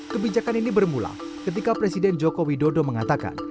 kebijakan ini bermula ketika presiden joko widodo mengatakan